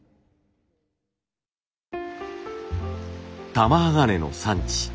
玉鋼の産地